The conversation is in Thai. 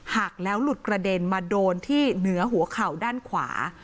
หักแล้วหลุดกระเด็นมาโดนที่เหนือหัวเข่าด้านขวา